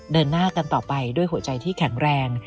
เดินหน้ากันต่อไปด้วยหัวใจที่แข็งแรง